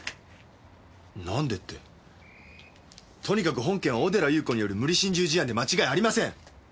なんでってとにかく本件は小寺裕子による無理心中事案で間違いありません！